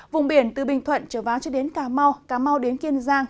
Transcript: vùng biển từ bình thuận trở vào cho đến cà mau cà mau đến kiên giang